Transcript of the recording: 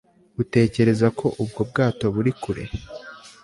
Utekereza ko ubwo bwato buri kure